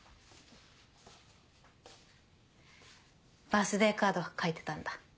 バースデーカード書いてたんだ？